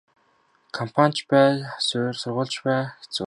Компани ч бай сургууль ч бай хэцүү.